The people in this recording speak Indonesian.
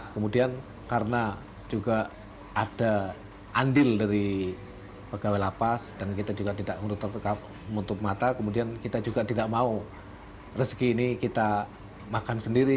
kemudian karena juga ada andil dari pegawai lapas dan kita juga tidak menutup mata kemudian kita juga tidak mau rezeki ini kita makan sendiri